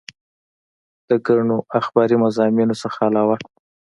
د ګڼو اخباري مضامينو نه علاوه